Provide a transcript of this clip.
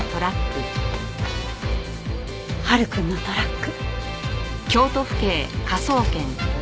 晴くんのトラック。